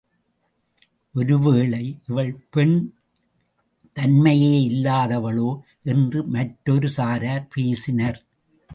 ஒருவேளை இவள் பெண் தன்மையே இல்லாதவளோ? என்று மற்றொரு சாரார் பேசினர்.